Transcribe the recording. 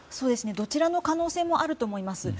どちらの可能性もあると思います。